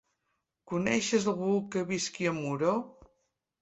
Coneixes algú que visqui a Muro?